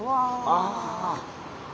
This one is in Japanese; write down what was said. ああ。